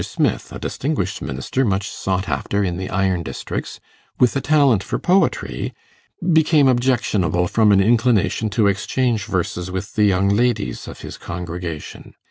Smith, a distinguished minister much sought after in the iron districts, with a talent for poetry, became objectionable from an inclination to exchange verses with the young ladies of his congregation.